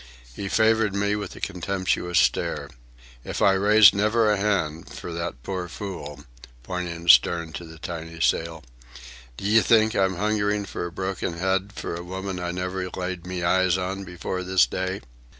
He favoured me with a contemptuous stare. "If I raised never a hand for that poor fool,"—pointing astern to the tiny sail,—"d'ye think I'm hungerin' for a broken head for a woman I never laid me eyes upon before this day?"